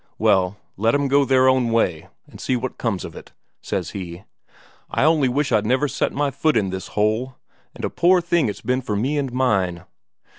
Well, let 'em go their own way, and see what comes of it,' says he. 'I only wish I'd never set my foot in this hole, and a poor thing it's been for me and mine.'